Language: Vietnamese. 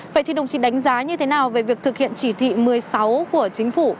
vậy thì đồng chí đánh giá như thế nào về việc thực hiện chỉ thị một mươi sáu của chính phủ